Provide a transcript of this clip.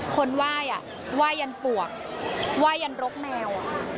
คนไหว้ไหว้อย่างปวกไหว้อย่างรกแมว